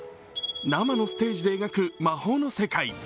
生のステージで描く魔法の世界。